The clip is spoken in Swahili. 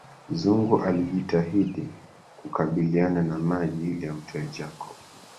Zugu alijitahidi kukabiliana na maji ili amtoe Jacob